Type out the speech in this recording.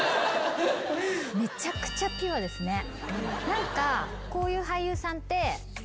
何かこういう俳優さんって。